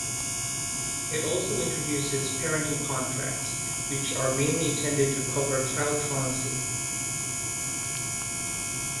It also introduces 'parenting contracts', which are mainly intended to cover child truancy.